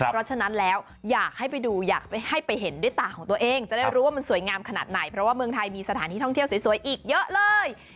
เพราะฉะนั้นแล้วอยากให้ไปดูอยากให้ไปเห็นด้วยตาของตัวเองจะได้รู้ว่ามันสวยงามขนาดไหนเพราะว่าเมืองไทยมีสถานที่ท่องเที่ยวสวยอีกเยอะเลย